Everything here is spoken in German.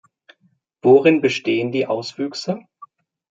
Worin bestehen die Auswüchse?